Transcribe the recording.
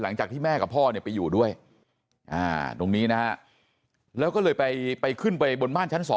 หลังจากที่แม่กับพ่อเนี่ยไปอยู่ด้วยตรงนี้นะฮะแล้วก็เลยไปขึ้นไปบนบ้านชั้น๒